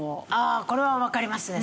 あこれはわかりますね